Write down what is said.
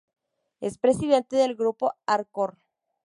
Es presidente del grupo Arcor.